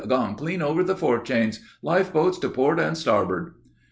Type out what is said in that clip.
Gone clean over the forechains! Life floats to port and starboard!